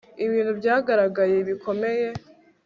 ibintu byagaragaye bikomeye